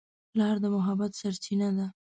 پلار د محبت سرچینه ده.